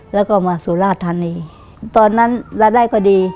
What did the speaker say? แล้วก็มาสุราชธานีตอนนั้นรายได้ก็ดี